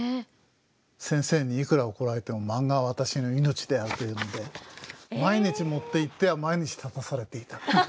先生にいくら怒られてもマンガは私の命であるというんで毎日持っていっては毎日立たされていた。